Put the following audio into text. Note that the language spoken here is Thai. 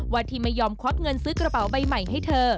ที่ไม่ยอมควักเงินซื้อกระเป๋าใบใหม่ให้เธอ